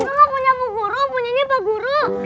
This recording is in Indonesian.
ini gak punya bu guru punya ini pak guru